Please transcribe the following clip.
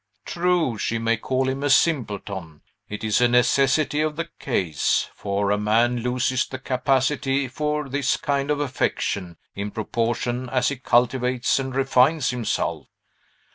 True; she may call him a simpleton. It is a necessity of the case; for a man loses the capacity for this kind of affection, in proportion as he cultivates and refines himself."